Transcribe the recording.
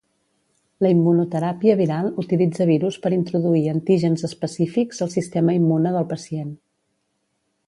La immunoteràpia viral utilitza virus per introduir antígens específics al sistema immune del pacient.